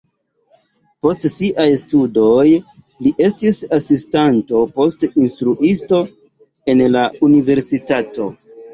Post siaj studoj li estis asistanto, poste instruisto en la universitato.